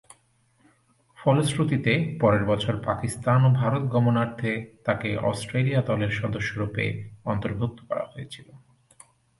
ফলশ্রুতিতে, পরের বছর পাকিস্তান ও ভারত গমনার্থে তাকে অস্ট্রেলিয়া দলের সদস্যরূপে অন্তর্ভুক্ত করা হয়েছিল।